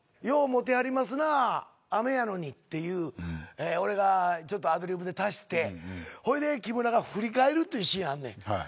「ようもてはりますな雨やのに」っていう俺がちょっとアドリブで足してほいで木村が振り返るっていうシーンあんねん。